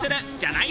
ない